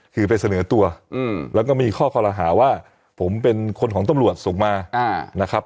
คือไปเสนอตัวแล้วก็มีข้อคอรหาว่าผมเป็นคนของตำรวจส่งมานะครับ